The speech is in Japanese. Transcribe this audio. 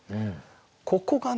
ここがね